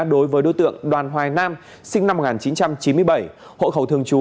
đối với đối tượng đoàn hoài nam sinh năm một nghìn chín trăm chín mươi bảy hộ khẩu thường trú